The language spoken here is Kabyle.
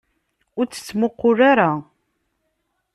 Ur tt-ttmuqqul ara!